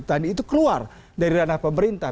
tadi itu keluar dari ranah pemerintah